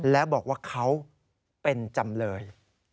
และบอกว่าเขาเป็นจำเลย